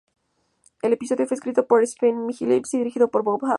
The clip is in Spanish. El episodio fue escrito por Stephanie Gillis y dirigido por Bob Anderson.